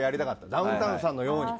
ダウンタウンさんのように。